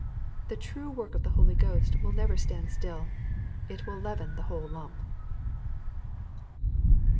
The true work of the Holy Ghost will never stand still. It will leaven tha whole lump.